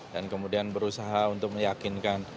dan kemudian berusaha untuk meyakinkan